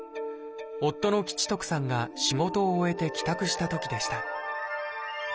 夫の吉徳さんが仕事を終えて帰宅したときでした